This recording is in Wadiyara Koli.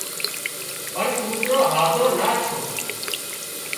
پڻ ڪوترو هازو نا ڇو